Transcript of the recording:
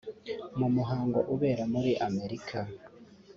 mu muhango ubera muri Amerika